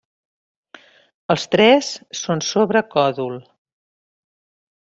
Els tres són sobre còdol.